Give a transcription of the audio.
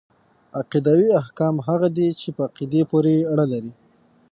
عقيدوي احکام هغه دي چي په عقيدې پوري اړه لري .